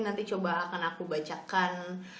nanti coba akan aku bacakan